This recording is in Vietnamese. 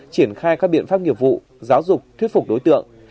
triển khai các biện pháp nghiệp vụ giáo dục thuyết phục đối tượng